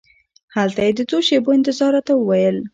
هلته یې د څو شېبو انتظار راته وویل.